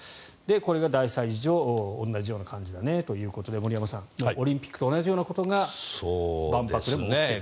これが大催事場同じような感じだねということで森山さん、オリンピックと同じようなことが万博でも起きている。